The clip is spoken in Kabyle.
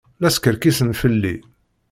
La skerkisen fell-i.